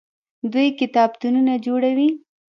دوی کتابتونونه جوړوي.